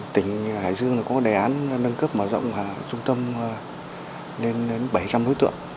tỉnh hải dương có đề án nâng cấp mở rộng trung tâm lên đến bảy trăm linh đối tượng